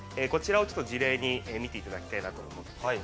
こちらをちょっと事例に見ていただきたいなと思っています。